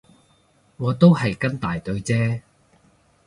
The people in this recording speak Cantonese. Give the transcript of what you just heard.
我都係跟大隊啫